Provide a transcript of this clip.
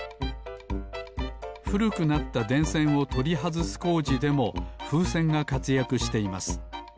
ふるくなったでんせんをとりはずすこうじでもふうせんがかつやくしています。